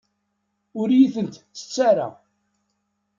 Ur iyi-tent-ttett ara.